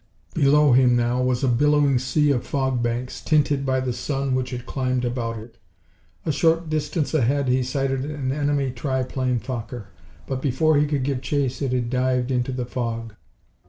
Below him, now, was a billowing sea of fog banks, tinted by the sun which had climbed about it. A short distance ahead he sighted an enemy tri plane Fokker, but before he could give chase it had dived into the fog.